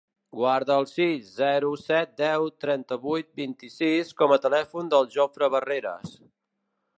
Guarda el sis, zero, set, deu, trenta-vuit, vint-i-sis com a telèfon del Jofre Barreras.